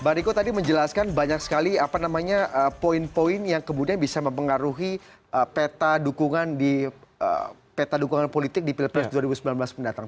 bang riko tadi menjelaskan banyak sekali poin poin yang kemudian bisa mempengaruhi peta dukungan di peta dukungan politik di pilpres dua ribu sembilan belas mendatang